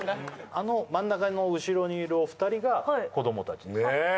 あの真ん中の後ろにいるお二人が子供達ですねえ